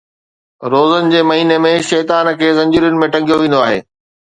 روزن جي مهيني ۾ شيطان کي زنجيرن ۾ ٽنگيو ويندو آهي